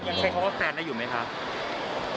อย่างเช่นเขาก็แฟนได้อยู่ไหมคะ